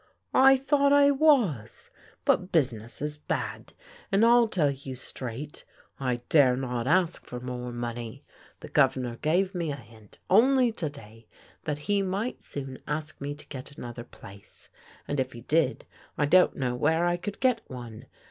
" I thought I was, but business is bad, and I'll tell you straight — I dare not ask for more money. The gov'ner gave me a hint, only to day, that he might soon ask me to get another place, and if he did I don't know where I could get one.